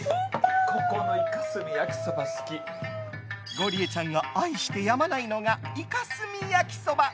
ゴリエちゃんが愛してやまないのがイカスミ焼きそば。